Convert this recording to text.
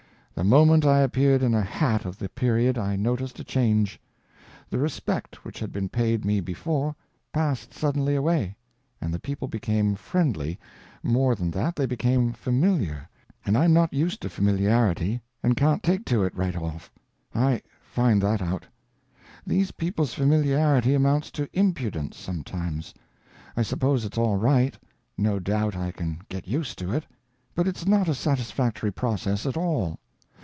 The moment I appeared in a hat of the period, I noticed a change. The respect which had been paid me before, passed suddenly away, and the people became friendly—more than that—they became familiar, and I'm not used to familiarity, and can't take to it right off; I find that out. These people's familiarity amounts to impudence, sometimes. I suppose it's all right; no doubt I can get used to it, but it's not a satisfactory process at all.